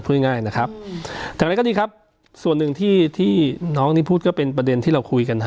พูดง่ายนะครับอย่างไรก็ดีครับส่วนหนึ่งที่ที่น้องนี่พูดก็เป็นประเด็นที่เราคุยกันฮะ